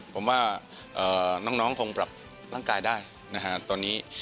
ผมว่าน้องคงปรับร่างกายได้นะฮะตอนนี้